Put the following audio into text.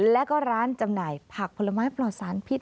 แล้วก็ร้านจำหน่ายผักผลไม้ปลอดสารพิษ